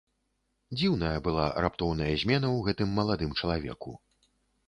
Дзіўная была раптоўная змена ў гэтым маладым чалавеку.